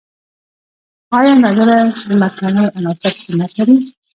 آیا نادره ځمکنۍ عناصر قیمت لري؟